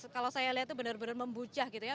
kalau saya lihat tuh bener bener membuncah gitu ya